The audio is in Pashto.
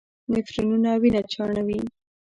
نفرونونه وینه چاڼوي.